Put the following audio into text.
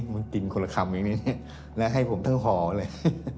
มันกินคนละคำอย่างนี้และให้ผมทั้งห่อเลย